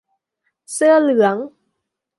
- เสื้อเหลือง